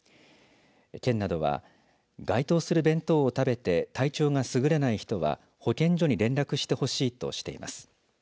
県などは該当する弁当を食べて体調がすぐれない人は保健所に連絡してほしいとしています。